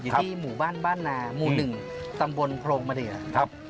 อยู่ที่หมู่บ้านบ้านนาหมู่๑ตำบลโพลมะเดือร์